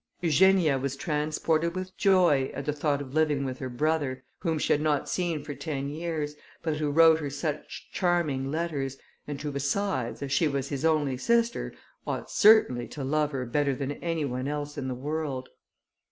Eugenia was transported with joy, at the thought of living with her brother, whom she had not seen for ten years, but who wrote her such charming letters, and who besides, as she was his only sister, ought certainly to love her better than any one else in the world.